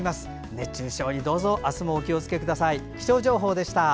熱中症にどうぞ明日もお気をつけください。